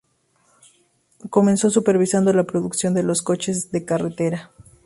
Comenzó supervisando la producción de los coches de carretera.